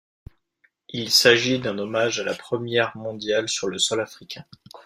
Il s'agit d'un hommage à la première mondiale sur le sol africain.